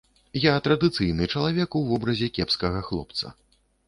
Я традыцыйны чалавек у вобразе кепскага хлопца.